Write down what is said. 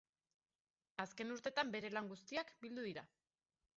Azken urtetan bere lan guztiak bildu dira.